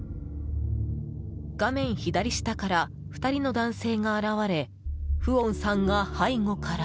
画面左下から２人の男性が現れフオンさんが背後から。